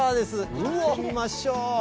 行ってみましょう。